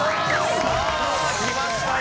さあきましたよ。